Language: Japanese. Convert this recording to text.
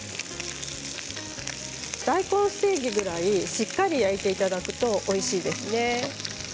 大根ステーキぐらいしっかり焼いていただくとおいしいですね。